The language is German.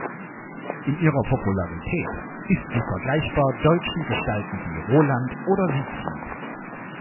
In ihrer Popularität ist sie vergleichbar deutschen Gestalten wie Roland oder Siegfried.